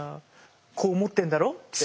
こう思ってんだろって。